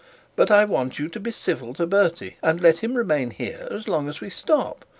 But I want you to be civil to Bertie, and let him remain here as long as we stop.